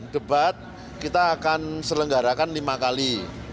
debat kita akan selenggarakan lima kali